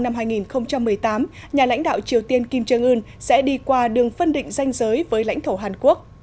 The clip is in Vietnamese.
năm hai nghìn một mươi tám nhà lãnh đạo triều tiên kim jong un sẽ đi qua đường phân định danh giới với lãnh thổ hàn quốc